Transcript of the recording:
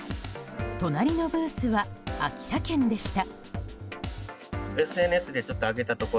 隣のブースは秋田県でした。